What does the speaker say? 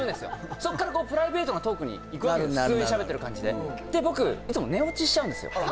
そっからプライベートのトークにいくわけですよなるなる普通に喋ってる感じでで僕いつも寝落ちしちゃうんですよ